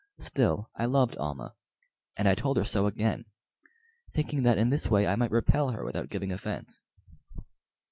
Still, I loved Almah, and I told her so again, thinking that in this way I might repel her without giving offence.